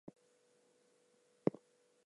McKenzie’s the one who told me to do that.